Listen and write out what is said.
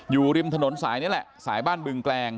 อยู่ริมถนนสายนี้แหละสายบ้านบึงแกลง